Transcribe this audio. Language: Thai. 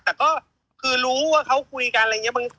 แต่ก็คือรู้ว่าเขาคุยกันอะไรอย่างนี้